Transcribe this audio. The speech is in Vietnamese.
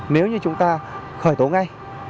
nếu như chúng ta khởi tố ngay